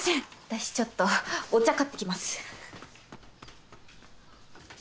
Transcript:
私ちょっとお茶買ってきます。